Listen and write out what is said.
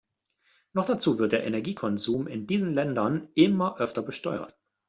Noch dazu wird der Energiekonsum in diesen Ländern immer öfter besteuert.